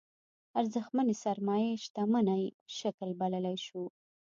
ارزشمنې سرمايې شتمنۍ شکل بللی شو.